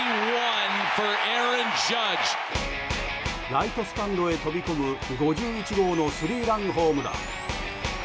ライトスタンドへ飛び込む５１号のスリーランホームラン。